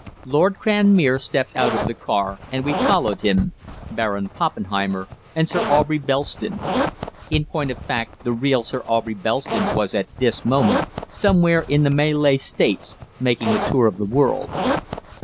"Lord Cranmere" stepped out of the car, and we followed him "Baron Poppenheimer" and "Sir Aubrey Belston." In point of fact, the real Sir Aubrey Belston was at that moment somewhere in the Malay States, making a tour of the world.